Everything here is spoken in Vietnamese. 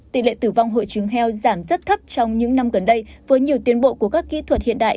tỷ lệ tử vong hội chứng heo giảm rất thấp trong những năm gần đây với nhiều tiến bộ của các kỹ thuật hiện đại